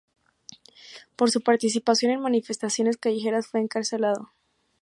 Por su participación en manifestaciones callejeras fue encarcelado.